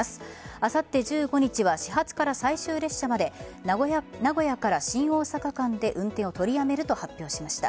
あさって１５日は始発から最終列車まで名古屋新大阪間で運転を取りやめると発表しました。